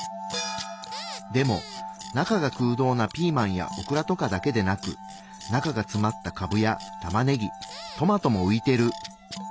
でも中が空洞なピーマンやオクラとかだけでなく中がつまったカブやたまねぎトマトもういてる！